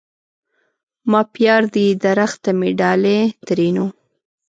ما پيار دي درخته مي ډالی؛ ترينو